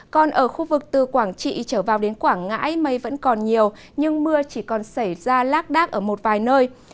còn ở khu vực từ quảng trị trở vào đến quảng ngãi mây vẫn còn nhiều nhưng mưa chỉ còn xảy ra lác đác ở một vài nơi